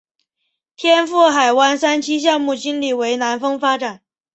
天赋海湾三期项目经理为南丰发展。